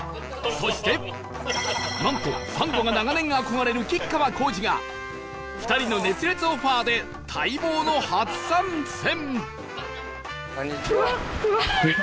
そしてなんとサンドが長年憧れる吉川晃司が２人の熱烈オファーで待望の初参戦！